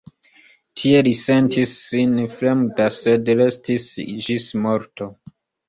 Tie li sentis sin fremda, sed restis ĝis morto.